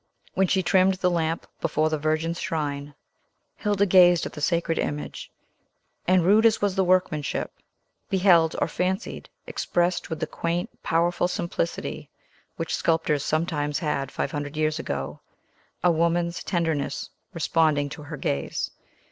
When she trimmed the lamp before the Virgin's shrine, Hilda gazed at the sacred image, and, rude as was the workmanship, beheld, or fancied, expressed with the quaint, powerful simplicity which sculptors sometimes had five hundred years ago, a woman's tenderness responding to her gaze.